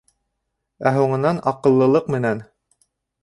Ә һуңынан аҡыллылыҡ менән: